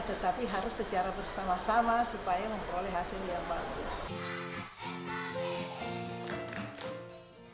tetapi harus secara bersama sama supaya memperoleh hasil yang bagus